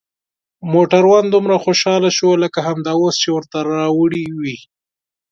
موټروان دومره خوشحاله شو لکه همدا اوس چې ورته راوړي وي.